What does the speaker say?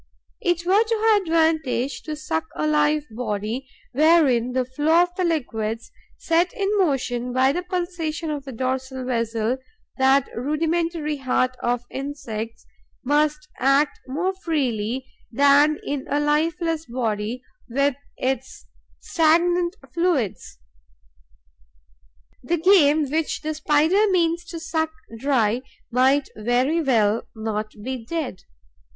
It were to her advantage to suck a live body, wherein the flow of the liquids, set in movement by the pulsation of the dorsal vessel, that rudimentary heart of insects, must act more freely than in a lifeless body, with its stagnant fluids. The game which the Spider means to suck dry might very well not be dead.